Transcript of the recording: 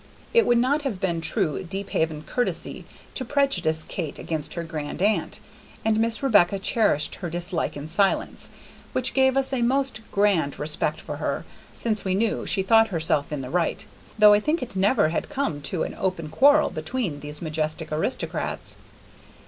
It would not have been true Deephaven courtesy to prejudice Kate against her grand aunt, and Miss Rebecca cherished her dislike in silence, which gave us a most grand respect for her, since we knew she thought herself in the right; though I think it never had come to an open quarrel between these majestic aristocrats.